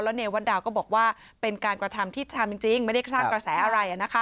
เนวัตดาวก็บอกว่าเป็นการกระทำที่ทำจริงไม่ได้สร้างกระแสอะไร